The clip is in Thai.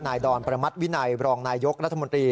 นายดอนประมัติวินัยรองนายกรรภ์รัฐมนตรี